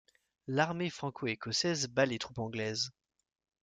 L'armée franco-écossaise bat les troupes anglaises.